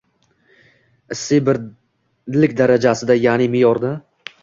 issiy birlik darajasida, ya’ni – me’yorda.